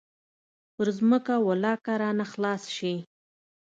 پر ځمكه ولله كه رانه خلاص سي.